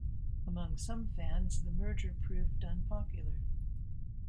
Among some fans, the merger proved unpopular.